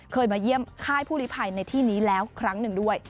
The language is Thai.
มาเยี่ยมค่ายผู้ลิภัยในที่นี้แล้วครั้งหนึ่งด้วย